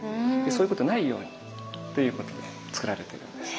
そういうことないようにっていうことでつくられているんです。